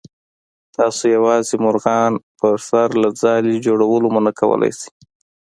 تاسو یوازې مرغان په سر له ځالې جوړولو منع کولی شئ.